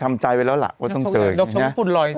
ทำใจไว้แล้วล่ะว่าต้องเจอกันนะ